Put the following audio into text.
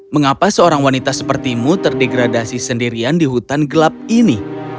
mengapa seorang wanita sepertimu terdegradasi sendirian di hutan gelap ini